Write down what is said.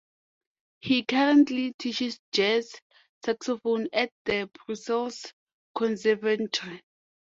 He currently teaches jazz saxophone at the Brussels conservatory.